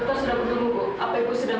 amirah harus operasikan